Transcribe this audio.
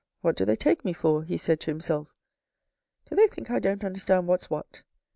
what do they take me for ?" he said to himself. " Do they think I don't understand what's what ?